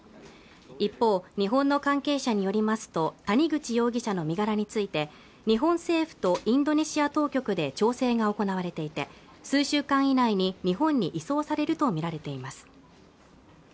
一方、日本の関係者によりますと谷口容疑者の身柄について日本政府とインドネシア当局で調整が行われていて数週間以内に日本に移送されると見られています